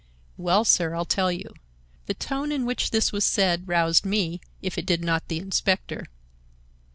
"Well, sir, I'll tell you." The tone in which this was said roused me if it did not the inspector.